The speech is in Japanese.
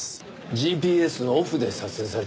ＧＰＳオフで撮影されてるもんで。